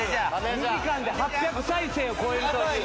２時間で８００再生を超えるという。